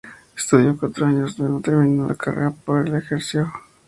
Estudió cuatro años, no terminó la carrera pero la ejerció.